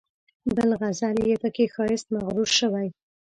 بل غزل یې په خپل ښایست مغرور شوی.